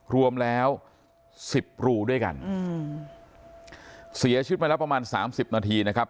รวมแล้วสิบรูด้วยกันอืมเสียชีวิตมาแล้วประมาณสามสิบนาทีนะครับ